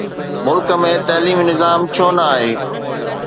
ملڪ ۾ تعليمي نظام ڇو نه آهي؟